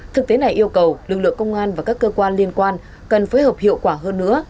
thực tế này yêu cầu lực lượng công an và các cơ quan liên quan cần phối hợp hiệu quả hơn nữa